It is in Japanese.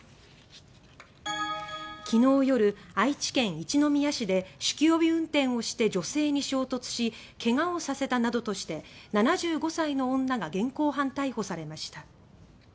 昨日夜、愛知県一宮市で酒気帯び運転をして女性に衝突しけがをさせたなどとして７５歳の女が現行犯逮捕されました。